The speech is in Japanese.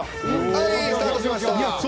はいスタートしました。